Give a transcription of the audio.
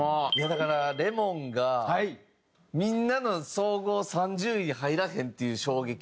だから『Ｌｅｍｏｎ』がみんなの総合３０位に入らへんっていう衝撃。